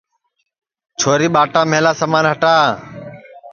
چھوری ٻاٹا مِلا سمان ہٹا